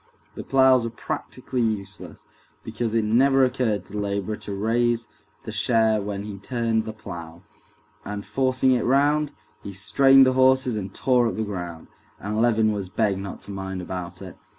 The ploughs were practically useless, because it never occurred to the laborer to raise the share when he turned the plough, and forcing it round, he strained the horses and tore up the ground, and Levin was begged not to mind about it.